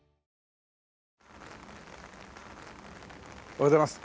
おはようございます。